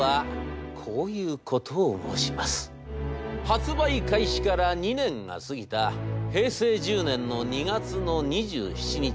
発売開始から２年が過ぎた平成１０年の２月の２７日。